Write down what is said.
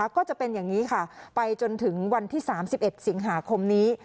ก็จะเป็นอย่างนี้ค่ะไปจนถึงวันที่๓๑สิงหาคมนี้